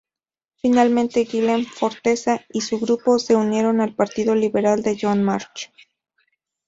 Finalmente Guillem Forteza y su grupo se unieron al Partido Liberal de Joan March.